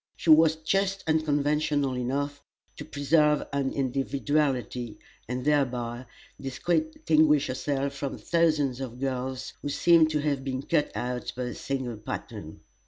She was just unconventional enough to preserve an individuality, and thereby distinguish herself from thousands of girls who seem to have been cut out by a single pattern.